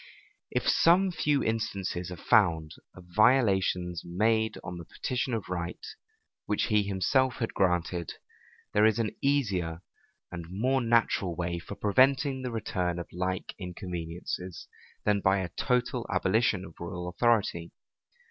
If some few instances are found of violations made on the petition of right, which he himself had granted, there is an easier and more natural way for preventing the return of like inconveniencies, than by a total abolition of royal authority.